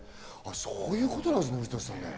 そういうことなんですね、古舘さん。